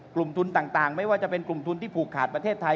กลุ่มทุนต่างไม่ว่าจะเป็นกลุ่มทุนที่ผูกขาดประเทศไทย